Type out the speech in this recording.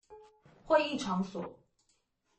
會議場所